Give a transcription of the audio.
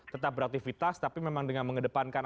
tetap beraktivitas tapi memang dengan mengedepankan